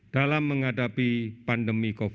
dalam menghadapi pandemi covid sembilan belas